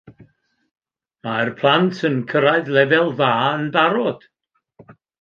Mae'r plant yn cyrraedd lefel dda yn barod.